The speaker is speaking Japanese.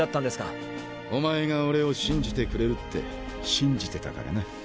お前が俺を信じてくれるって信じてたからな。